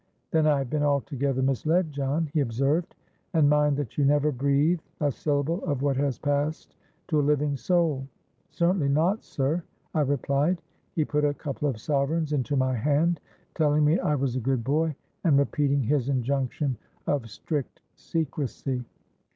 '—'Then I have been altogether misled, John,' he observed: 'and mind that you never breathe a syllable of what has passed to a living soul.'—'Certainly not, sir,' I replied. He put a couple of sovereigns into my hand, telling me I was a good boy, and repeating his injunction of strict secresy.